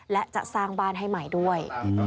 และจะสร้างบ้านให้ใหม่ด้วย